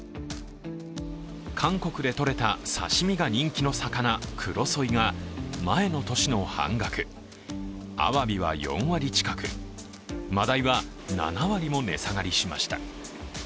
韓国で取れた刺身が人気の魚クロソイが前の年の半額、あわびは４割近く、真だいは７割も値下がりしました。